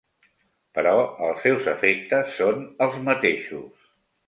Però els seus efectes són els mateixos.